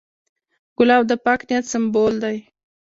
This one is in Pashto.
ګلاب د پاک نیت سمبول دی.